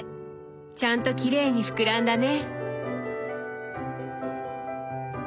ちゃんときれいに膨らんだね。